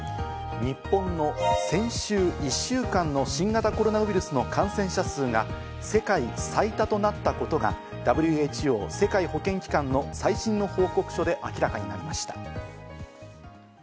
日本の先週１週間の新型コロナウイルスの感染者数が世界最多となったことがＷＨＯ＝世界保健機関の最新の報告書で明らかになりました。